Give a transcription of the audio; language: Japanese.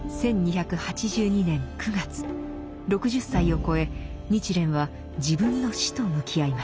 １２８２年９月６０歳を超え日蓮は自分の死と向き合います。